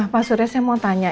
pak surya saya mau tanya